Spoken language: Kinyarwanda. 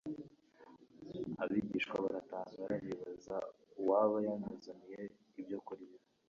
Abigishwa baratangara bibaza uwaba yamuzaniye ibyo kurya;